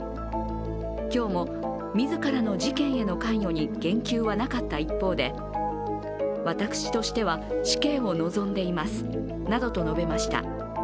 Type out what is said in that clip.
今日も自らの事件への関与に言及はなかった一方で私としては死刑を望んでいますなどと述べました。